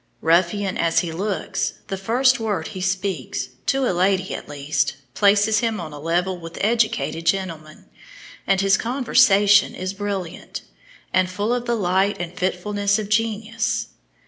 Ruffian as he looks, the first word he speaks to a lady, at least places him on a level with educated gentlemen, and his conversation is brilliant, and full of the light and fitfulness of genius.